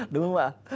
đúng không ạ